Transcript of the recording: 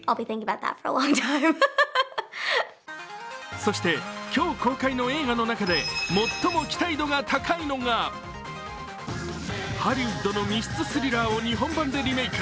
そして、今日公開の映画の中で最も期待度が高いのがハリウッドの密室スリラーを日本版でリメーク。